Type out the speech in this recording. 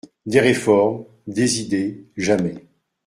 Des réformes… des idées… jamais…